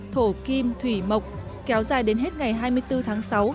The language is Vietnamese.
thổ kim thủy mộc kéo dài đến hết ngày hai mươi bốn tháng sáu